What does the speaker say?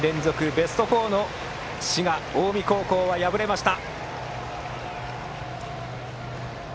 ベスト４の滋賀・近江高校は敗れました。